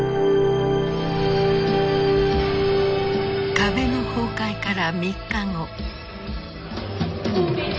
壁の崩壊から３日後。